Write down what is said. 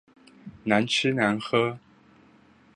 難吃難喝